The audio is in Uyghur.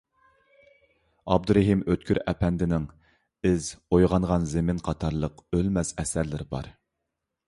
ئابدۇرېھىم ئۆتكۈر ئەپەندىنىڭ «ئىز»، «ئويغانغان زېمىن» قاتارلىق ئۆلمەس ئەسەرلىرى بار.